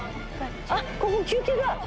あっここ休憩だ！